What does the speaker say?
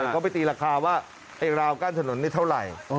เขาไปตีราคาว่าไอ้ราวกั้นถนนนี่เท่าไหร่